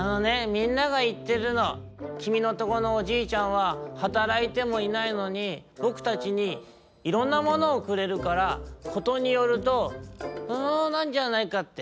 みんながいってるのきみのとこのおじいちゃんははたらいてもいないのにぼくたちにいろんなものをくれるからことによるとなんじゃないかって。